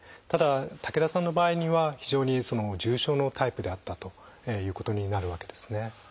ただ竹田さんの場合には非常に重症のタイプであったということになるわけですね。